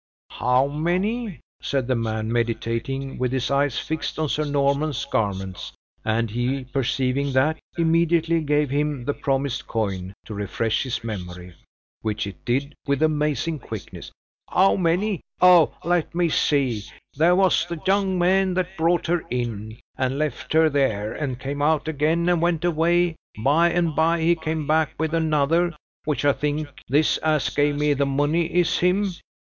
"How many?" said the man, meditating, with his eyes fixed on Sir Norman's garments, and he, perceiving that, immediately gave him the promised coin to refresh his memory, which it did with amazing quickness. "How many oh let me see; there was the young man that brought her in, and left her there, and came out again, and went away. By and by, he came back with another, which I think this as gave me the money is him.